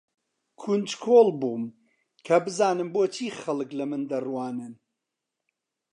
کونجکۆڵ بووم کە بزانم بۆچی خەڵک لە من دەڕوانن.